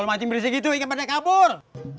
kalau masih berisik itu inget pada kabur